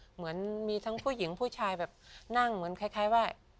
เหมือนมีทั้งผู้หญิงผู้ชายแบบนั่งเหมือนคล้ายว่า